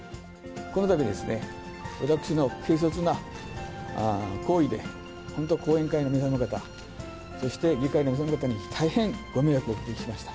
このたびですね、私の軽率な行為で本当、後援会の皆様方、そして議会の皆様方に、大変ご迷惑をおかけしました。